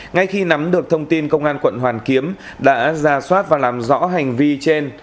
ngay khi nắm được thông tin công an quận hoàn kiếm đã ra soát và làm rõ hành vi trên